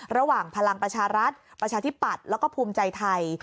ระหว่างพลังประชารัฐประชาธิบัติแล้วก็ภูมิใจไทย